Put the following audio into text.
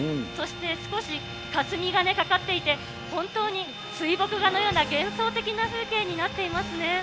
そして、少しかすみがかかっていて、本当に水墨画のような、幻想的な風景になっていますね。